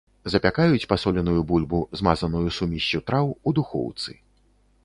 Запякаюць пасоленую бульбу, змазаную сумессю траў, у духоўцы.